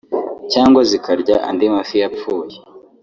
cyangwa zikarya andi mafi yapfuye